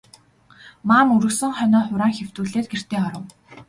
Маам үргэсэн хонио хураан хэвтүүлээд гэртээ оров.